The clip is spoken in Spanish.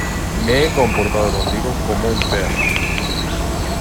me he comportado contigo como un perro.